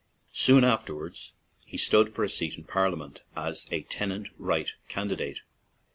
Soon afterwards he stood for a seat in Parliament, as a tenant right candidate.